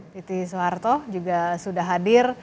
titi soeharto juga sudah hadir